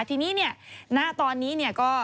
ทีนี้เนี่ยณตอนนี้เนี่ยก็